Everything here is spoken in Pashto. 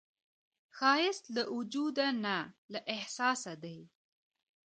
ښایست له وجوده نه، له احساسه دی